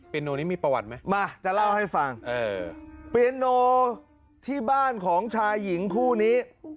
ปริโนที่เย็นเราบ้านของชายหญิงคู่นี้